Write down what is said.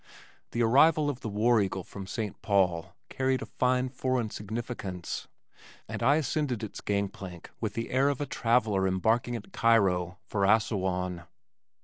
The arrival of the War Eagle from St. Paul carried a fine foreign significance, and I ascended its gang plank with the air of a traveller embarking at Cairo for Assouan.